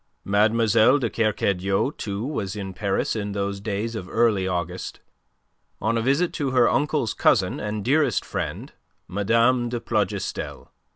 Mlle. de Kercadiou, too, was in Paris in those days of early August, on a visit to her uncle's cousin and dearest friend, Mme. de Plougastel.